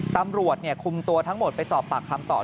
ตำรวจคุมตัวทั้งหมดไปสอบปากคำต่อ